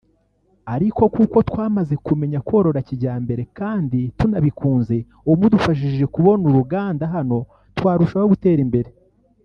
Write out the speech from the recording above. ariko kuko twamaze kumenya korora kijyambere kandi tunabikunze ubu mudufashije kubona uruganda hano twarushaho gutera imbere